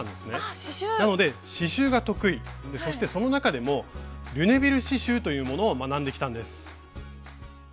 なので刺しゅうが得意でそしてその中でもリュネビル刺しゅうというものを学んできたんです。